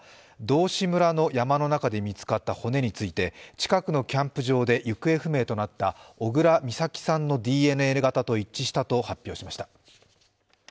道志村の山の中で見つかった骨について、近くのキャンプ場で行方不明となった小倉美咲さんのＤＮＡ型と一致したと発表しました。